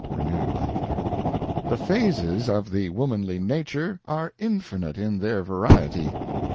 [Renewed laughter.] The phases of the womanly nature are infinite in their variety.